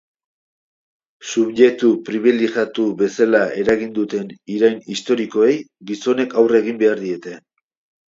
Subjektu pribilegiatu bezala, eragin duten irain historikoei gizonek aurre egin behar diete.